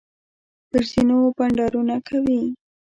پر زینو بنډارونه کوي.